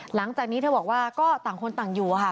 หลังจากนี้เธอบอกว่าก็ต่างคนต่างอยู่ค่ะ